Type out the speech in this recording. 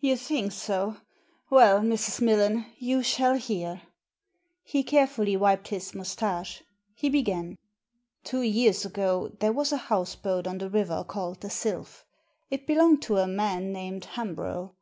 "You think so? Well, Mrs. Millen, you shall hear." He carefully wiped his moustache. He began: "Two years ago there was a houseboat on the river called the Sylph. It belonged to a man named Hambro.